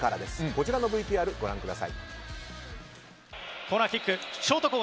こちらのＶＴＲご覧ください。